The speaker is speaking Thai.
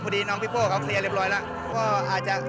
พอดีน้องพิโป้เครียดเรียบร้อยแล้วก็อาจจะ